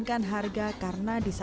ak atas bayi diexpress sebaliknya